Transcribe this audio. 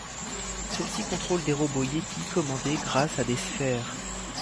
Celle-ci contrôle des robots-Yétis commandés grâce à des sphères.